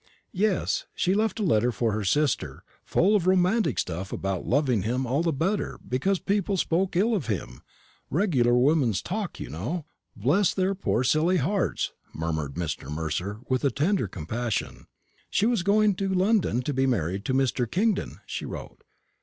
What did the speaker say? "Yes. She left a letter for her sister, full of romantic stuff about loving him all the better because people spoke ill of him; regular woman's talk, you know, bless their poor silly hearts!" murmured Mr. Mercer, with tender compassion. "She was going to London to be married to Mr. Kingdon, she wrote.